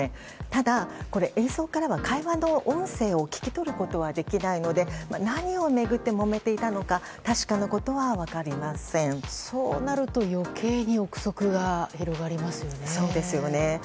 ただ、映像からは会話の音声を聞き取ることはできないので何を巡ってもめていたのか確かなことはそうなると余計に憶測が広がりますよね。